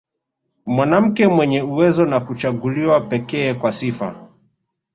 Mwanamke mwenye uwezo na huchaguliwa pekee kwa sifa